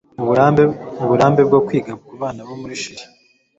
uburambe bwo kwiga kubana bo muri Chili